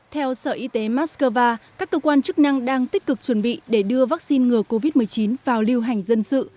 theo sở y tế moscow các cơ quan chức năng đang tích cực chuẩn bị để đưa vaccine ngừa covid một mươi chín vào lưu hành dân sự